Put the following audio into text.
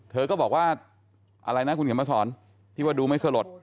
เธอก็บอกว่าอะไรนะคุณเขียนมาสอนที่ว่าดูไม่สลด